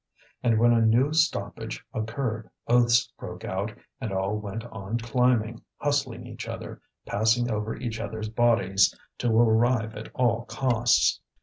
And when a new stoppage occurred oaths broke out, and all went on climbing, hustling each other, passing over each other's bodies to arrive at all costs.